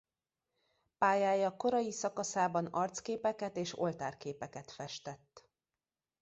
Pályája korai szakaszában arcképeket és oltárképeket festett.